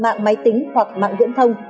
mạng máy tính hoặc mạng viễn thông